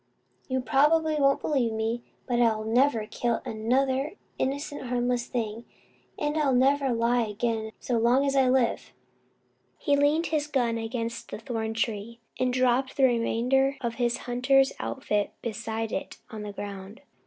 You probably won't believe me, but I'll never kill another innocent harmless thing; and I will never lie again so long as I live." He leaned his gun against the thorn tree, and dropped the remainder of his hunter's outfit beside it on the ground.